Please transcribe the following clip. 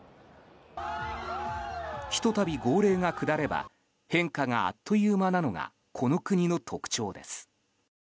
ひとたび号令が下れば変化があっという間なのがこの国の特徴です。